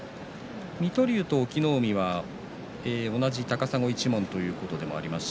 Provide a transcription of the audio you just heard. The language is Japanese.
水戸龍と隠岐の海は同じ高砂一門ということですね。